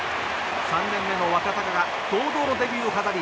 ３年目の若鷹が堂々のデビューを飾り